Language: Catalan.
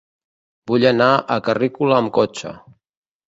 Vull anar a Carrícola amb cotxe.